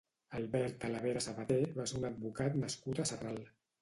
Albert Talavera Sabater va ser un advocat nascut a Sarral.